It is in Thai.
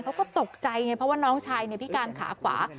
เขาก็ตกใจไงเพราะว่าน้องชายพิการขาขวา